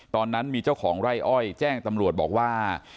ตอนนั้นมีเจ้าของไร่อ้อยแจ้งตำรวจบอกว่า